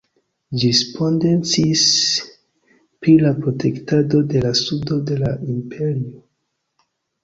Ĝi respondecis pri la protektado de la sudo de la Imperio.